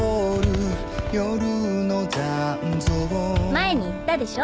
前に言ったでしょ？